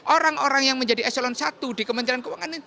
orang orang yang menjadi eselon satu di kementerian keuangan ini